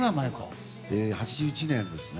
１９８１年ですね。